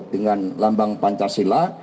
dengan lambang pancasila